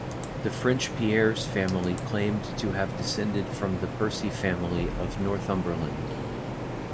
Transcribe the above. The French Pierres family claimed to have descended from the Percy family of Northumberland.